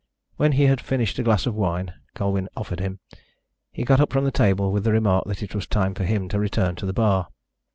When he had finished a glass of wine Colwyn offered him, he got up from the table with the remark that it was time for him to return to the bar.